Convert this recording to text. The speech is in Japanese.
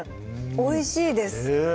おいしいです